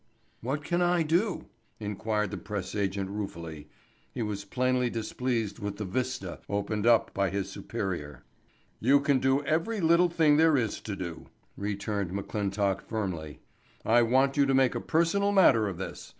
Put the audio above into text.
"What can I do?" inquired the press agent ruefully. He was plainly displeased with the vista opened up by his superior. "You can do every little thing there is to do," returned McClintock firmly. "I want you to make a personal matter of this.